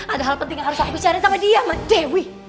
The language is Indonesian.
ada hal penting yang harus aku cari sama dia mak dewi